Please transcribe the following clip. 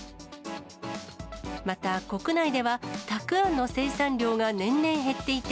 また、国内ではたくあんの生産量が年々減っていて、